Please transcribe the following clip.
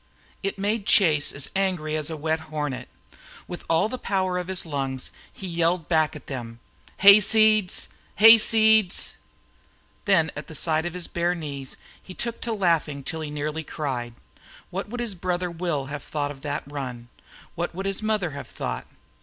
It made Chase as angry as a wet hornet. With all the power of his lungs he yelled back at them: "Hayseeds! Hayseeds!" Then at sight of his bare knees he took to laughing till he nearly cried. What would his brother Will have thought of that run? What would his mother have thought?